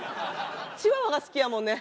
チワワが好きやもんね。